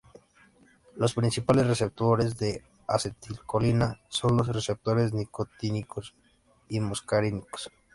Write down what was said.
Los principales receptores de la acetilcolina son los receptores nicotínicos y muscarínicos.